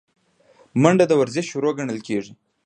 منډه د ورزش شروع ګڼل کېږي